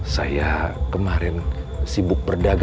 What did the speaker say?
saya kemarin sibuk perdagangan